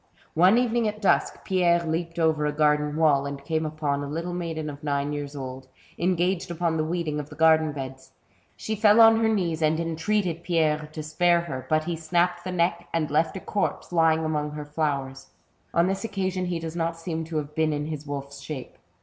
One evening at dusk, Pierre leaped over a garden wall, and came upon a little maiden of nine years old, engaged upon the weeding of the garden beds. She fell on her knees and entreated Pierre to spare her ; but he snapped the neck, and left her a corpse, lying among her flowers. On this occasion he does not seem to have been in his wolfs shape.